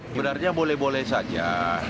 sebenarnya boleh boleh saja